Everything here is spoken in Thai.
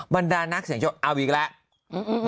บรรดานักเสียงโชคเอาอีกแล้ว